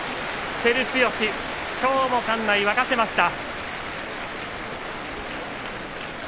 照強きょうも館内を沸かせました。